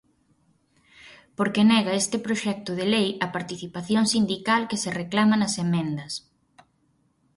Porque nega este proxecto de lei a participación sindical que se reclama nas emendas.